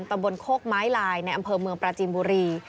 ตำบลโคกไม้ลายในอำเภอเมืองปราจีนบุรี